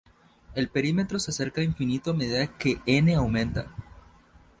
El perímetro se acerca a infinito a medida que n aumenta.